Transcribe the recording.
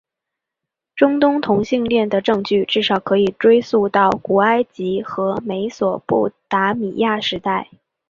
中东同性恋的证据至少可以追溯到古埃及和美索不达米亚时代。